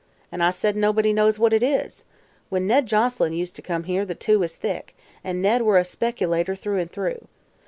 "An' I said nobody knows what it is. When Ned Joselyn used to come here the two was thick, an' Ned were a specilater through an' through.